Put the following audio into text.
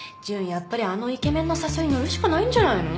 やっぱりあのイケメンの誘い乗るしかないんじゃないの？